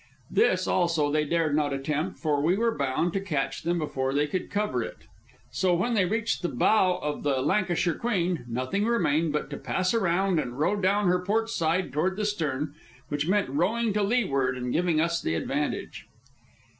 This, also, they dared not attempt, for we were bound to catch them before they could cover it. So, when they reached the bow of the Lancashire Queen, nothing remained but to pass around and row down her port side toward the stern, which meant rowing to leeward and giving us the advantage.